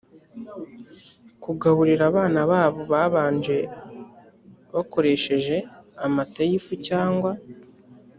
kugaburira abana babo babanje bakoresheje amata y ifu cyangwa